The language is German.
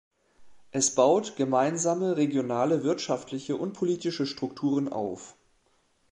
Es baut gemeinsame regionale, wirtschaftliche und politische Strukturen auf.